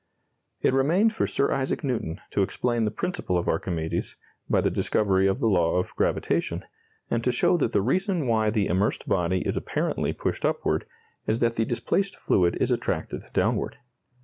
It remained for Sir Isaac Newton to explain the principle of Archimedes (by the discovery of the law of gravitation), and to show that the reason why the immersed body is apparently pushed upward, is that the displaced fluid is attracted downward.